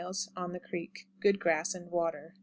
On the Creek. Good grass and water.